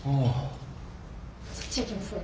そっち行きますね。